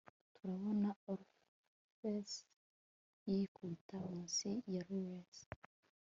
turabona orpheus yikubita munsi ya laurels